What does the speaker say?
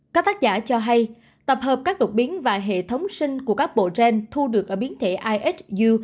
các tác giả cho hay tập hợp các đột biến và hệ thống sinh của các bộ gen thu được ở biến thể isu